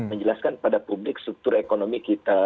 menjelaskan pada publik struktur ekonomi kita